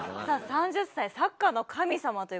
「３０歳サッカーの神様」という事で。